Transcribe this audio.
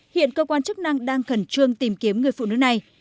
hiện cơ quan chức năng đang khẩn trương tìm kiếm người phụ nữ này